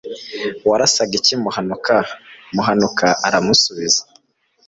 warasaga iki muhanuka? muhanuka aramusubiza